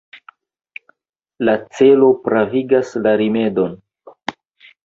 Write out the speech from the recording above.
La celo pravigas la rimedon.